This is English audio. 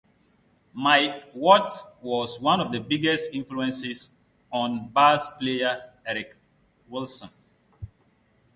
Mike Watt was one of the biggest influences on bass player Eric Wilson.